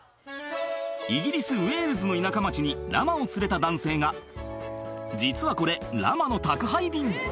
イギリスウェールズの田舎町にラマを連れた男性が実はこれラマの宅配便